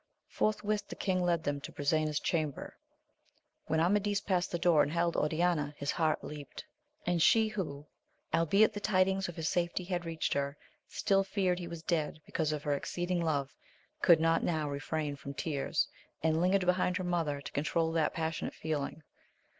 Forthwith the king led them to Brisena's chamber ; when Amadis past the door and beheld Oriana, his heart leaped ; and she who, albeit the tidings of his safety had reached her, still feared he was dead because of her exceeding love, could not now refrain from tears, and lingered behind her mother to controul that passionate feeling.